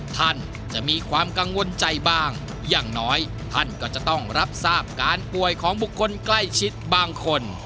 ท่านจะมีความกังวลใจบ้างอย่างน้อยท่านก็จะต้องรับทราบการป่วยของบุคคลใกล้ชิดบางคน